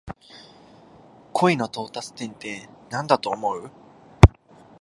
恋の到達点ってなんだと思う？